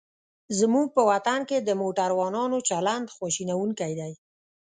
زموږ په وطن کې د موټروانانو چلند خواشینوونکی دی.